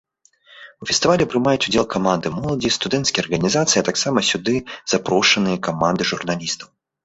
У фестывалі прымаюць удзел каманды моладзі, студэнцкіх арганізацый, а таксама сюды запрошаныя каманды журналістаў.